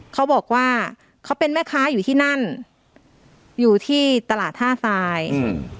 เขาบอกว่าเขาเป็นแม่ค้าอยู่ที่นั่นอยู่ที่ตลาดท่าทรายอืม